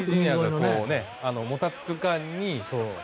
もたつく間に。